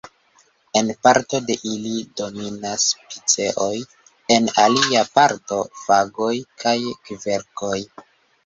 En parto de ili dominas piceoj, en alia parto fagoj kaj kverkoj.